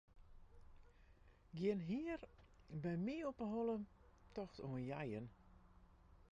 Gjin hier by my op 'e holle tocht oan jeien.